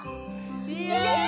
イエイ！